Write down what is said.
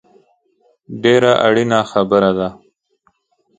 ډېره اړینه خبره ده